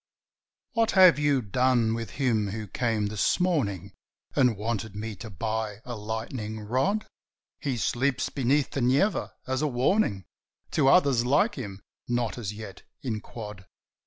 "What have you done with him who came this morning, And wanted me to buy a lightning rod?" "He sleeps beneath the Neva, as a warning To others like him, not as yet in quod."